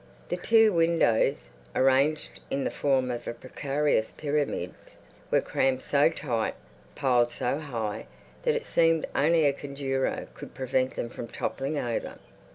The two windows, arranged in the form of precarious pyramids, were crammed so tight, piled so high, that it seemed only a conjurer could prevent them from toppling over.